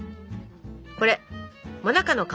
これもなかの皮。